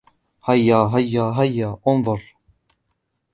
هيا, هيا, هيا, أُنظُر.